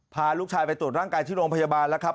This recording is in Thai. พาลูกชายไปตรวจร่างกายที่โรงพยาบาลแล้วครับ